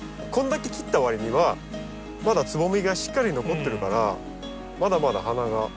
こんだけ切ったわりにはまだつぼみがしっかり残ってるからまだまだ花が。